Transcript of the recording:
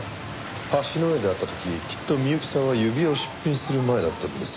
橋の上で会った時きっと美由紀さんは指輪を出品する前だったんです。